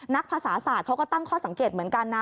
ภาษาศาสตร์เขาก็ตั้งข้อสังเกตเหมือนกันนะ